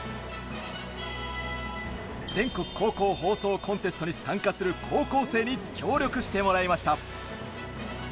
全国高校放送コンテストに参加する高校生に協力してもらいました。